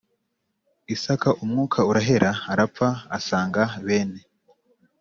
Isaka umwuka urahera arapfa asanga bene